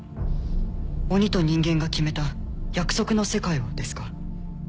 鬼と人間が決めた約束の世界をですか？